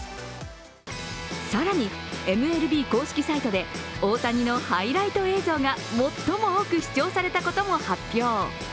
更に、ＭＬＢ公式サイトで大谷のハイライト映像が最も多く視聴されたことも発表。